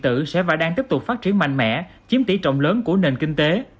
thương mại điện tử sẽ và đang tiếp tục phát triển mạnh mẽ chiếm tỉ trọng lớn của nền kinh tế